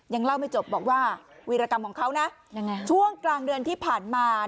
ยังเล่าไม่จบบอกว่าวีรกรรมของเขานะยังไงช่วงกลางเดือนที่ผ่านมา